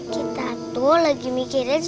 kita tuh lagi mikirin soal pak rizky